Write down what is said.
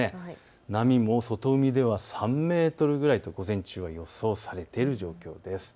波も外海では３メートルぐらいと午前中予想されている状況です。